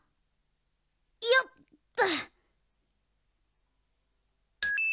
いよっと！